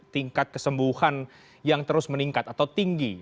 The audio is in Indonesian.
tingkat kesembuhan yang terus meningkat atau tinggi